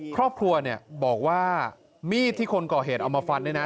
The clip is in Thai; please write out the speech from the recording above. ครอบครัวบอกว่ามีดที่คนก่อเหตุเอามาฟันได้นะ